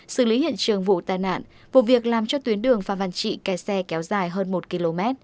xử lý hiện trường vụ tai nạn vụ việc làm cho tuyến đường phan văn trị kè xe kéo dài hơn một km